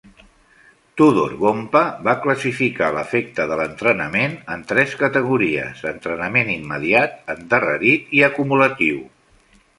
Tudor Bompa va classificar l'efecte de l'entrenament en tres categories: entrenament immediat, endarrerit i acumulatiu.